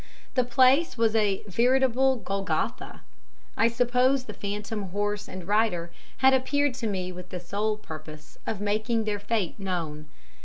The place was a veritable Golgotha. I suppose the phantom horse and rider had appeared to me with the sole purpose of making their fate known.